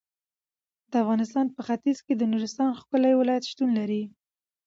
د افغانستان په ختیځ کې د نورستان ښکلی ولایت شتون لري.